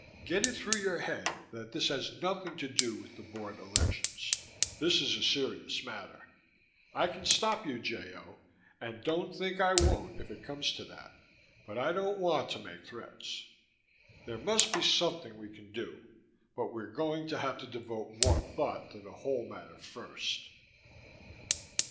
Get it through your head that this has nothing to do with the Board elections. This is a serious matter. I can stop you, J. O., and don't think I won't if it comes to that. But I don't want to make threats. There must be something we can do but we're going to have to devote more thought to the whole matter first.